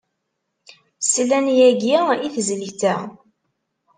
Slan yagi i tezlit-a.